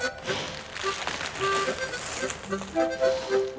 assalamualaikum warahmatullahi wabarakatuh